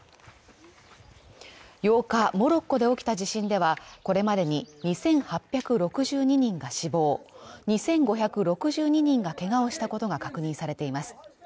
８日モロッコで起きた地震ではこれまでに２８６２人が死亡２５６２人がけがをしたことが確認されています